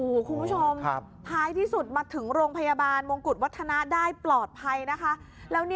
คุณผู้ชมท้ายที่สุดมาถึงโรงพยาบาลมงกุฎวัฒนะได้ปลอดภัยนะคะ